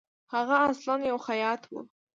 هغه اصلاً یو خیاط وو.